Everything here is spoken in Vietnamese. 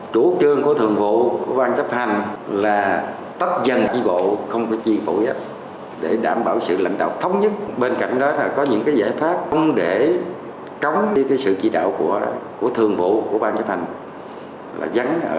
chủ trương của thường vụ của bang chấp hành là tấp dần tri bộ không có tri bộ giáp để đảm bảo sự lãnh đạo thống nhất bên cạnh đó là có những giải pháp không để cống đi sự tri đạo của thường vụ của bang chấp hành